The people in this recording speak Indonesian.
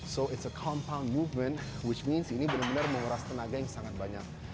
so it's a compound movement which means ini benar benar menguras tenaga yang sangat banyak